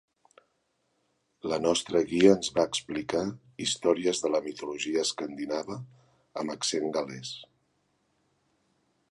La nostra guia ens va explicar històries de la mitologia escandinava amb accent gal·lès.